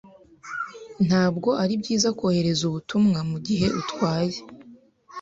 Ntabwo ari byiza kohereza ubutumwa mugihe utwaye.